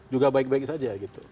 juga baik baik saja